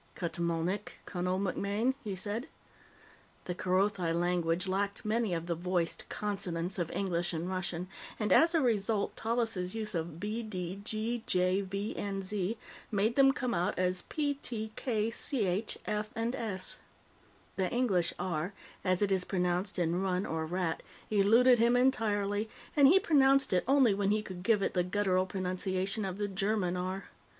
"Cut mawnik, Cunnel MacMaine," he said. The Kerothi language lacked many of the voiced consonants of English and Russian, and, as a result, Tallis' use of _B__, _D__, _G__, _J__, _V__, and _Z__ made them come out as _P__, _T__, _K__, _CH__, _F__, and _S__. The English _R__, as it is pronounced in _run__ or _rat__, eluded him entirely, and he pronounced it only when he could give it the guttural pronunciation of the German _R__.